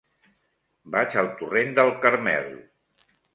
Vaig al torrent del Carmel.